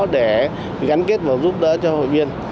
để gắn kết và giúp đỡ cho hội viên